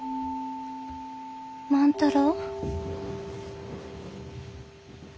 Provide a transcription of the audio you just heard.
万太郎？